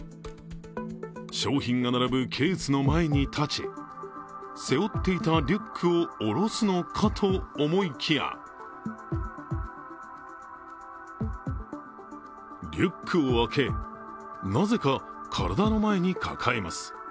商品が並ぶケースの前に立ち、背負っていたリュックを下ろすのかと思いきやリュックを開け、なぜか体の前に抱えます。